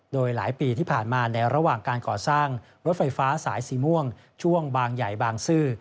โดยหลายปีที่ผ่านมาในระหว่างการก่อสร้างรถไฟฟ้าสายสีม่วงช่วงบางใหญ่บางซื่อ